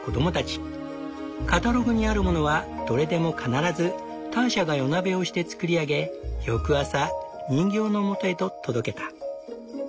カタログにあるものはどれでも必ずターシャが夜なべをして作り上げ翌朝人形のもとへと届けた。